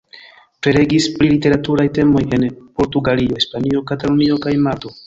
Prelegis pri literaturaj temoj en Portugalio, Hispanio, Katalunio kaj Malto.